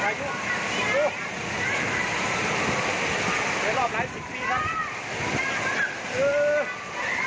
ลายฝ่าไหลอยู่